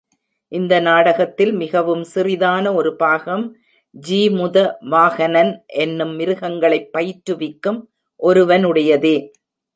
இந்த நாடகத்தில் மிகவும் சிறிதான ஒரு பாகம், ஜீமுத வாஹனன் என்னும் மிருகங்களைப் பயிற்றுவிக்கும் ஒருவனுடையதே.